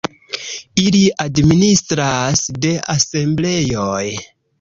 Ili administras de asembleoj.